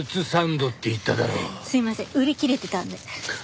すいません売り切れてたんで。